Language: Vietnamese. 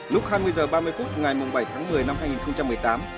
lúc hai mươi h ba mươi phút ngày bảy tháng một mươi năm hai nghìn một mươi tám